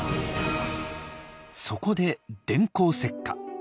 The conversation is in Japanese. そこで電光石火。